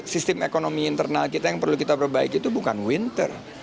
sistem ekonomi internal kita yang perlu kita perbaiki itu bukan winter